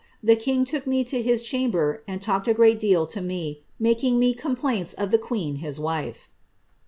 The king took me to his chamber and talked a great deal to me, making me com plaints of the queen, his wife."